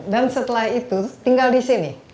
dan setelah itu tinggal di sini